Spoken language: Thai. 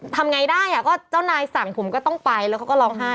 ทำไงได้อ่ะก็เจ้านายสั่งผมก็ต้องไปแล้วเขาก็ร้องไห้